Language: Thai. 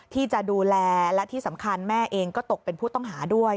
ที่จะดูแลและที่สำคัญแม่เองก็ตกเป็นผู้ต้องหาด้วย